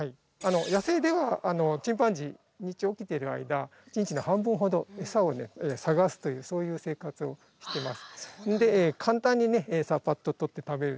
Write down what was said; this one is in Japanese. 野生ではチンパンジー日中起きてる間一日の半分ほどエサをね探すというそういう生活をしてます。